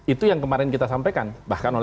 itu yang kemarin kita sampaikan bahkan